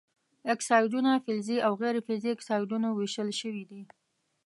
اکسایدونه فلزي او غیر فلزي اکسایدونو ویشل شوي دي.